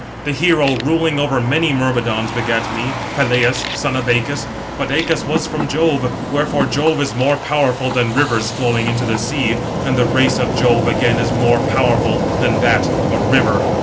The hero ruling over many Myrmidons begat me, Peleus, son of Æacus; but Æacus was from Jove; wherefore Jove is more powerful than Rivers flowing into the sea, and the race of Jove again is more powerful than that of a river.